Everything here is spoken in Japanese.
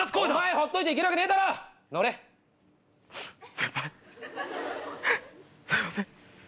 先輩すいません。